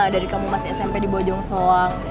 dari kamu masih smp di bojong soang